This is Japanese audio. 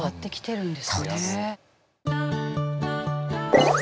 そうです。